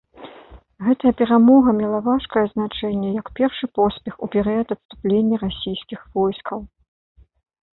Гэтая перамога мела важкае значэнне як першы поспех у перыяд адступлення расійскіх войскаў.